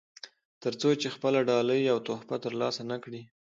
تر څو چې خپله ډالۍ او تحفه ترلاسه نه کړي.